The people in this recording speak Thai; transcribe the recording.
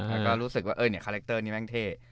แล้วก็รู้สึกว่าคาแรคเตอร์นี้แม่งเท่